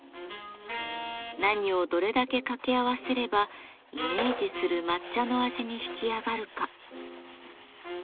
何をどれだけ掛け合わせればイメージする抹茶の味に引き上がるか。